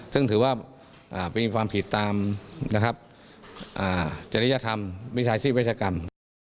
ซึ่งถือว่าเป็นความผิดตามนะครับจริยธรรมวิทยาลัยสิทธิ์เวชกรรม